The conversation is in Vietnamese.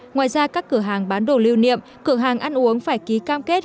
ngoài ra các cửa hàng bán đồ lưu niệm cửa hàng ăn uống phải ký cam kết